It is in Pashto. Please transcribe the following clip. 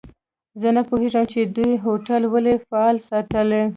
زه نه پوهیږم چي دوی هوټل ولي فعال ساتلی.